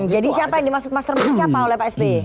jadi siapa yang dimaksud mastermind siapa oleh pak sb